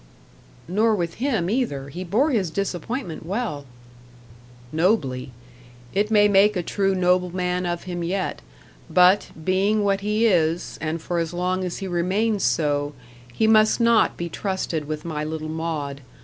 "Nor with him either. He bore his disappointment well." "Nobly. It may make a true nobleman of him yet. But, being what he is, and for as long as he remains so, he must not be trusted with my little Maud.